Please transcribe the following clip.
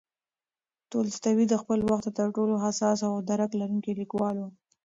تولستوی د خپل وخت تر ټولو حساس او درک لرونکی لیکوال و.